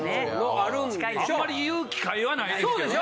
あんまり言う機会はないですけどね。